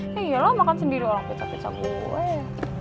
ya iyalah makan sendiri orang pizza pizza gue